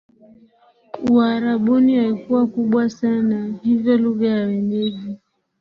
Uarabuni haikuwa kubwa sana hivyo lugha ya wenyeji